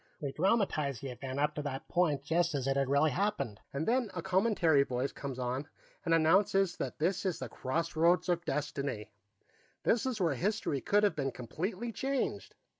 We dramatize the event up to that point just as it really happened, and then a commentary voice comes on and announces that this is the Crossroads of Destiny; this is where history could have been completely changed.